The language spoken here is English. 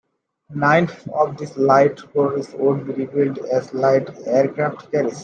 Nine of these light cruisers would be rebuilt as light aircraft carriers.